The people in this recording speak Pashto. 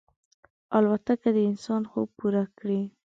الوتکه د انسان خوب پوره کړی.